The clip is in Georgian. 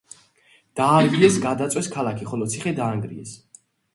დაარბიეს, გადაწვეს ქალაქი, ხოლო ციხე დაანგრიეს.